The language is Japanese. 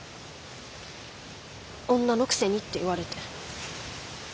女のくせにって言われて。